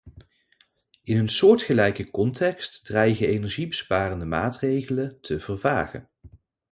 In een soortgelijke context dreigen energiebesparende maatregelen te vervagen.